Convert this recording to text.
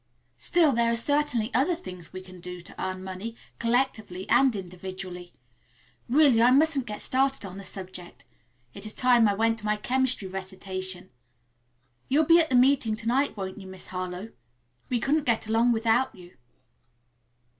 Still there are certainly other things we can do to earn money, collectively and individually. Really I mustn't get started on the subject. It is time I went to my chemistry recitation. You'll be at the meeting to night, won't you, Miss Harlowe? We couldn't get along without you."